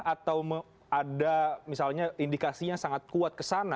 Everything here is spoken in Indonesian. atau ada misalnya indikasinya sangat kuat ke sana